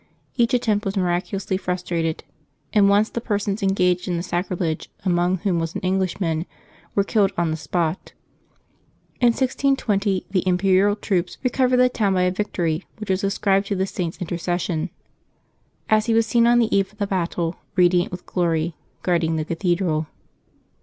Each attempt was miraculously frustrated; and once the persons engaged in the sacrilege, among whom was an Englishman, were killed on the spot. In 1620 the imperial troops recovered the town by a victory which was ascribed to the Saint's intercession, as he was seen on the eve of the battle, radiant with glory, guarding the cathedral.